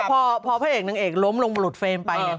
พอผู้อาจารย์หนังเอกล้มลงมาหลุดเฟรมไป